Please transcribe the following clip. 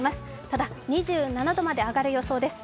ただ、２７度まで上がる予想です。